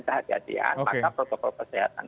kehadian maka protokol kesehatan